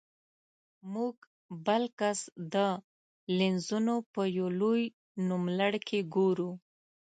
موږ بل کس د لینزونو په یو لوی نوملړ کې ګورو.